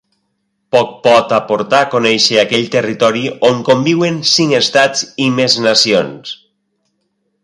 Poc pot aportar conèixer aquell territori on conviuen cinc estats i més nacions.